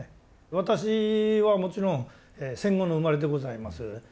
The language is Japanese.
私はもちろん戦後の生まれでございます。